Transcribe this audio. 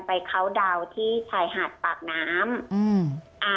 ไปเคาน์ดาวที่ชายหาดปากน้ำ